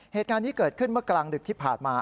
เหตุการณ์นี้เกิดขึ้นเมื่อกลางดึกที่ผ่านมา